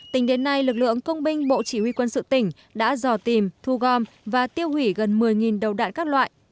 tính đến nay lực lượng công binh bộ chỉ huy quân sự tỉnh đã dò tìm thu gom và tiêu hủy gần một mươi đầu đại các loại